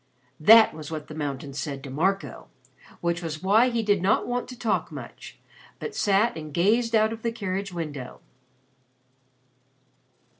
That was what the mountains said to Marco, which was why he did not want to talk much, but sat and gazed out of the carriage window.